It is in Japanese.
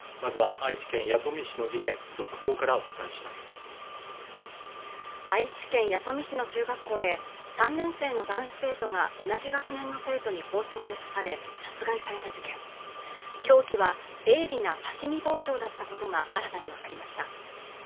愛知県弥富市の中学校で３年生の男子生徒が同じ学年の生徒に包丁で刺され殺害された事件凶器は鋭利な刺身包丁だったことが新たに分かりました